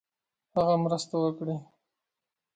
هغه مرسته وکړي.